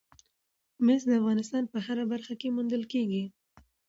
مس د افغانستان په هره برخه کې موندل کېږي.